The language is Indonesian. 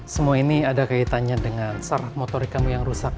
semua ini ada kaitannya dengan sarah motorik kamu yang rusak